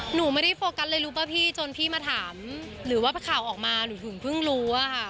หนูไม่ได้โฟกัสเลยรู้ป่ะพี่จนพี่มาถามหรือว่าข่าวออกมาหนูถึงเพิ่งรู้อะค่ะ